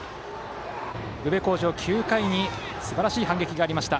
宇部鴻城、９回にすばらしい反撃がありました。